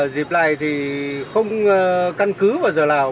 dịp này thì không căn cứ vào giờ nào